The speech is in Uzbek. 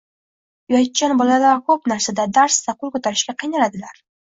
Uyatchan bolalar ko‘p narsada – darsda qo‘l ko‘tarishga qiynaladilar.